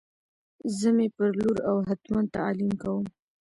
زه می پر لور او هتمن تعلیم کوم